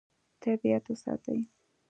طبیعت وساتي.